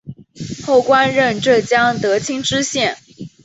后官任浙江德清知县。